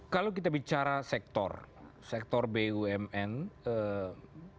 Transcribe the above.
kalau kita bicara sektor sektor bumn saya setuju dengan terlalu lama